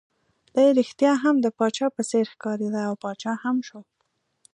دی ريښتیا هم د پاچا په څېر ښکارېد، او پاچا هم شو.